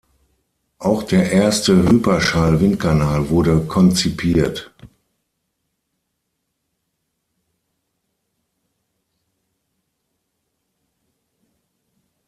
Auch der erste Hyperschall-Windkanal wurde konzipiert.